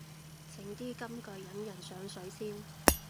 整啲金句引人上水先